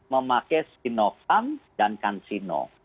memakai sinovac dan cansino